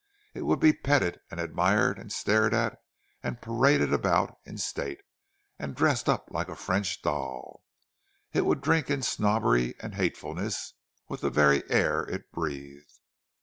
It would be petted and admired and stared at, and paraded about in state, dressed up like a French doll; it would drink in snobbery and hatefulness with the very air it breathed.